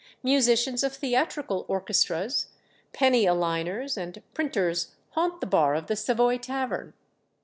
Musicians of theatrical orchestras, penny a liners, and printers haunt the bar of the Savoy tavern.